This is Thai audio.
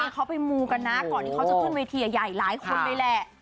เขาไปมูกันนะก่อนที่เขาจะขึ้นเวทีใหญ่หลายคนเลยแหละ